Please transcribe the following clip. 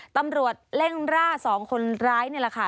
ตำรวจเร่งร่า๒คนร้ายนี่แหละค่ะ